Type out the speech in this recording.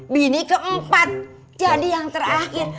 bini keempat jadi yang terakhir